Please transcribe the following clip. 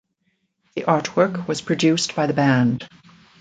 The artwork was produced by the band.